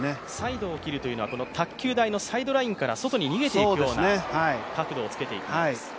サイドを切るというのは、卓球台のサイドラインから外に逃げていくような角度をつけていきます。